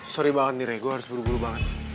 sorry banget nih rey gue harus buru buru banget